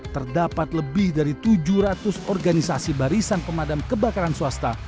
terdapat lebih dari tujuh ratus organisasi barisan pemadam kebakaran swasta